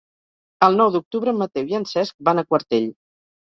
El nou d'octubre en Mateu i en Cesc van a Quartell.